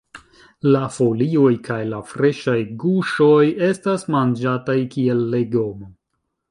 La folioj kaj la freŝaj guŝoj estas manĝataj kiel legomo.